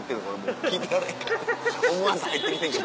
思わず入ってきてんけど。